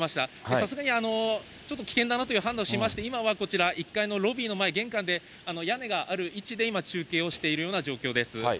さすがにちょっと危険だなという判断をしまして、今はこちら、１階のロビーの前、玄関で屋根がある位置で、今、中継をしているよ